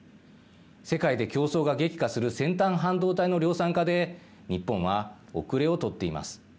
世界で競争が激化する先端半導体の量産化で日本は後れを取っています。